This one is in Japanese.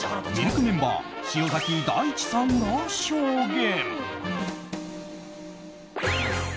ＬＫメンバー塩崎太智さんが証言。